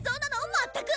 まったく！